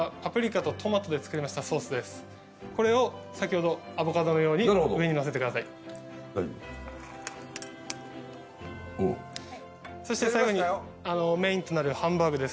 赤いこれはこれを先ほどアボカドのように上に載せてくださいそして最後にメインとなるハンバーグです